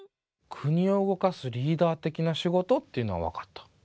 国を動かすリーダー的な仕事っていうのはわかった。